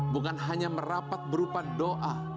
bukan hanya merapat berupa doa